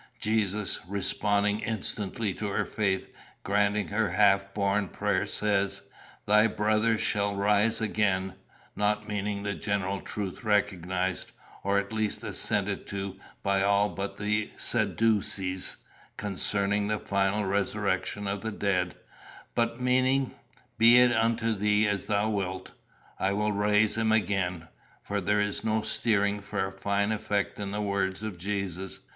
Jesus, responding instantly to her faith, granting her half born prayer, says, 'Thy brother shall rise again;' not meaning the general truth recognised, or at least assented to by all but the Sadducees, concerning the final resurrection of the dead, but meaning, 'Be it unto thee as thou wilt. I will raise him again.' For there is no steering for a fine effect in the words of Jesus.